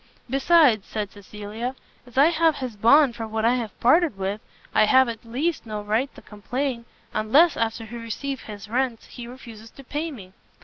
"Besides," said Cecilia, "as I have his bond for what I have parted with, I have, at least, no right to complain, unless, after he receives his rents, he refuses to pay me."